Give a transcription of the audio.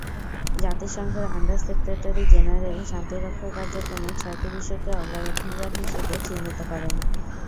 জাতিসংঘের under secretary general শান্তিরক্ষা কার্যক্রমে ছয়টি বিষয়কে অগ্রাধিকার হিসেবে চিহ্নিত করেন।